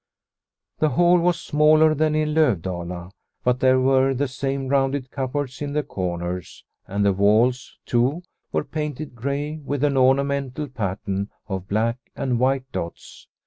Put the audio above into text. The hall was smaller than in Lovdala. But there were the same rounded cupboards in the corners, and the walls, too, were painted grey with an ornamental pattern of black and white dots.